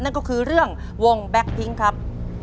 นั่นก็คือเรื่องวงแบ็คพิ้งครับ